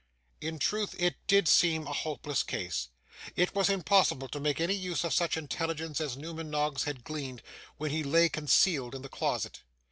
In truth, it did seem a hopeless case. It was impossible to make any use of such intelligence as Newman Noggs had gleaned, when he lay concealed in the closet.